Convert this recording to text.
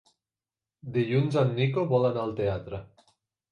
Dilluns en Nico vol anar al teatre.